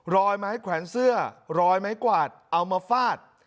รอยไม้แขวนเสื้อรอยไม้กวาดเอามาฟาด